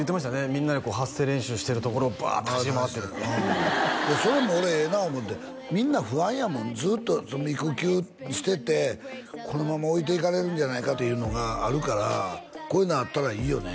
みんなで発声練習してるところをブワーッて走り回ってるってそれも俺ええな思ってみんな不安やもんずっと育休しててこのまま置いていかれるんじゃないかというのがあるからこういうのあったらいいよね